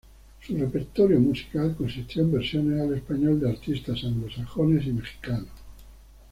Su repertorio musical consistió en versiones al español de artistas anglosajones y mexicanos.